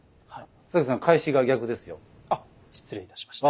あっ失礼いたしました。